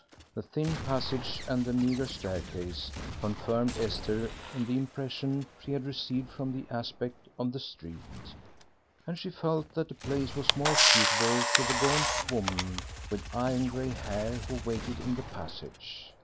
The thin passage and the meagre staircase confirmed Esther in the impression she had received from the aspect of the street; and she felt that the place was more suitable to the gaunt woman with iron grey hair who waited in the passage.